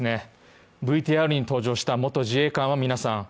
ＶＴＲに登場した元自衛官の皆さん